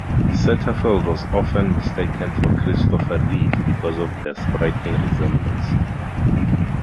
Satterfield was often mistaken for Christopher Reeve because of their striking resemblance.